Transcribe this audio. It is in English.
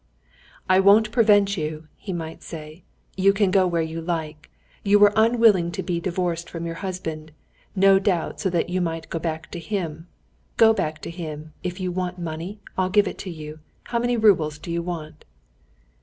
"I won't prevent you," he might say. "You can go where you like. You were unwilling to be divorced from your husband, no doubt so that you might go back to him. Go back to him. If you want money, I'll give it to you. How many roubles do you want?"